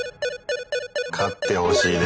勝ってほしいね。